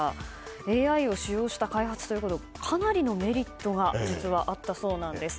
ＡＩを使用した開発ということはかなりのメリットが実はあったそうなんです。